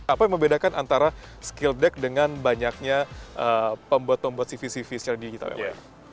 apa yang membedakan antara skillback dengan banyaknya pembuat pembuat cv cv secara digital ya pak